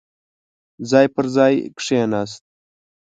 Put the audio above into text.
ځای پر ځاې کېناست.